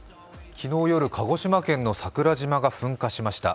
昨日夜鹿児島県の桜島が噴火しました。